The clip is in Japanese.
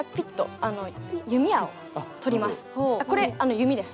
あこれ弓です。